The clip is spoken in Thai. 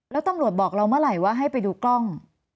แล้วตำรวจบอกเราเมื่อไหร่ว่าให้ไปดูกล้อง